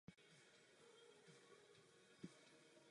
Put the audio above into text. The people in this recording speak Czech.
V zimě se často pro vysoký sníh nedalo projet.